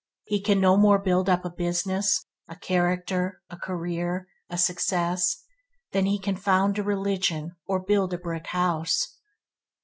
He can no more build up a business, a character, a career, a success, than he can found a religion or build a brick house.